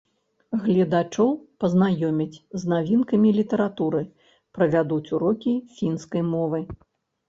Гледачоў пазнаёмяць з навінкамі літаратуры, правядуць урокі фінскай мовы.